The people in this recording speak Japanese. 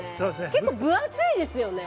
結構分厚いですよね。